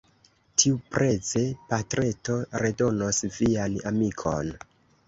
Tiupreze, patreto redonos vian amikon.